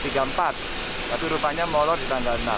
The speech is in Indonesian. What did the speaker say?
tapi rupanya molor di tanggal enam